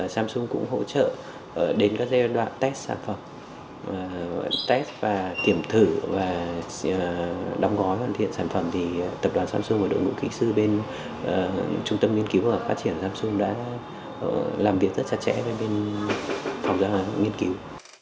samsung cũng hỗ trợ đến các giai đoạn test sản phẩm gọi test và kiểm thử và đong gói hoàn thiện sản phẩm thì tập đoàn samsung và đội ngũ kỹ sư bên trung tâm nghiên cứu và phát triển samsung đã làm việc rất chặt chẽ với bên phòng gian hóa nghiên cứu